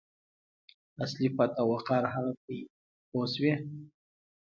اصلي پت او وقار هغه دی پوه شوې!.